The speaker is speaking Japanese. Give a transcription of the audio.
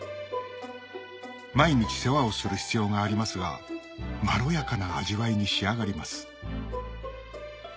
毎日世話をする必要がありますがまろやかな味わいに仕上がります